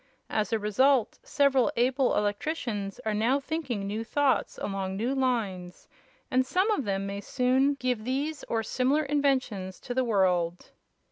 As a result several able electricians are now thinking new thoughts along new lines, and some of them may soon give these or similar inventions to the world."